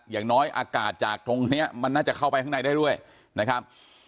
อย่างน้อยอากาศจากตรงนี้มันน่าจะเข้าไปข้างในได้ด้วยนะครับ